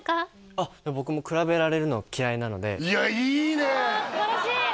あっ僕も比べられるの嫌いなのでいやいいねああすばらしい！